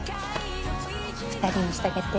２人にしたげて。